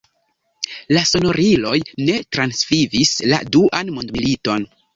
La sonoriloj ne transvivis la Duan mondmiliton.